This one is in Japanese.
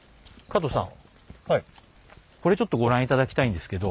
これちょっとご覧頂きたいんですけど。